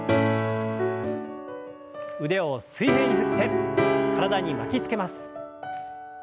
腕を水平に振って体に巻きつけます。